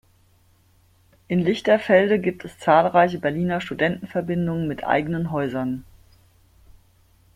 In Lichterfelde gibt es zahlreiche Berliner Studentenverbindungen mit eigenen Häusern.